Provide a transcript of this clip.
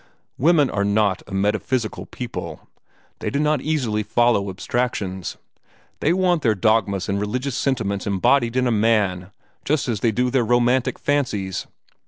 "Women are not a metaphysical people. They do not easily follow abstractions. They want their dogmas and religious sentiments embodied in a man, just as they do their romantic fancies.